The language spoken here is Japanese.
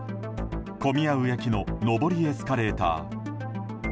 混み合う駅の上りエスカレーター。